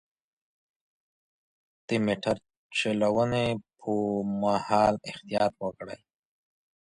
د موټر چلونې پر مهال احتياط وکړئ.